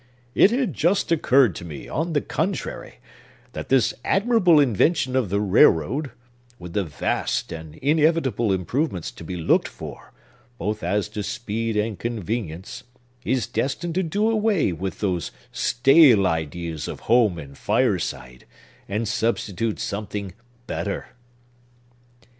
"It had just occurred to me, on the contrary, that this admirable invention of the railroad—with the vast and inevitable improvements to be looked for, both as to speed and convenience—is destined to do away with those stale ideas of home and fireside, and substitute something better."